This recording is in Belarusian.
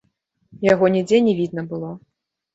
Яго нідзе не відно было.